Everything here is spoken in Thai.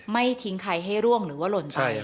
ไม่ทิ้งใครให้ร่วงหรือว่าหล่นไป